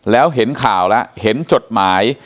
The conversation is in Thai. แล้วเห็นข่าวแล้วเห็นจดหมาย